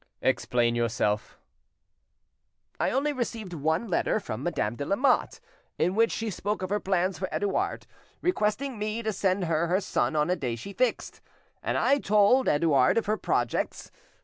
"Explain yourself." "I only received one letter from Madame de Lamotte, in which she spoke of her plans for Edouard, requesting me to send her her son on a day she fixed, and I told Edouard of her projects.